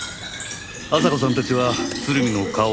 阿佐子さんたちは鶴見の顔を再現し。